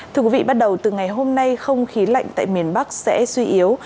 thưa quý vị bắt đầu từ ngày hôm nay không khí lạnh tại miền bắc sẽ suy yếu